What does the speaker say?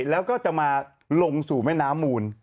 แล้วก็จะมาลงสู่แม่น้ำมูล